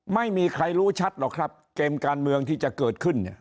ไม่มีใครรู้ชัดหรอกครับเกมการเมืองที่จะเกิดขึ้นเนี่ย